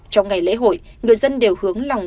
trong ngày lễ hội người dân đều hướng lòng